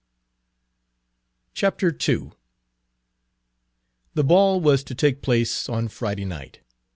II The ball was to take place on Friday night.